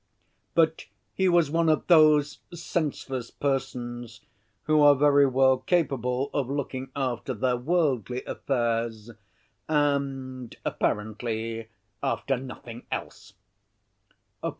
But he was one of those senseless persons who are very well capable of looking after their worldly affairs, and, apparently, after nothing else.